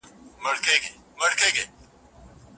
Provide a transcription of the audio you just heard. پر غزل مي دي جاګیر جوړ کړ ته نه وې